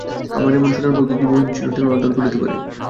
আমার এমন সোনার বউকে কি মহিন চিরদিন অনাদর করিতে পারে।